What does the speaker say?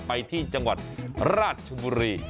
ไปที่จังหวัดราชบุรี